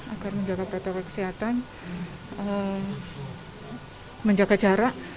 agar menjaga protokol kesehatan menjaga jarak